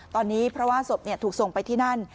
ตอนนี้เพราะว่าศพถูกส่งไปที่นั่น